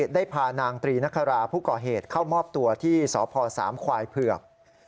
ได้พานางตรีนคราผู้ก่อเหตุเข้ามอบตัวที่สพสามควายเผือก